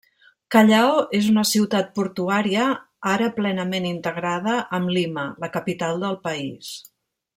Callao és una ciutat portuària ara plenament integrada amb Lima, la capital del país.